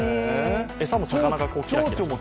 餌も魚がキラキラと。